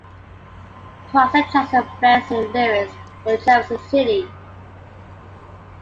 Price and Jackson fled Saint Louis for Jefferson City.